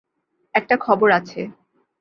একটা খবর আছে!